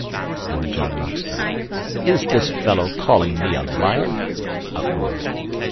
"LORD JOHN ROXTON: 'Is this fellow calling me a liar?' (Uproar.)